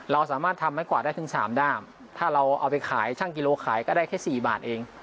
เราสามารถทำไม้กวาดได้ถึง๓ด้ามถ้าเราเอาไปขายช่างกิโลขายก็ได้แค่๔บาทเอง